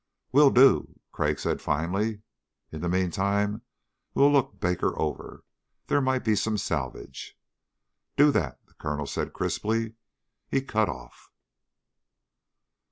"Will do," Crag said finally. "In the meantime we'll look Baker over. There might be some salvage." "Do that," the Colonel said crisply. He cut off.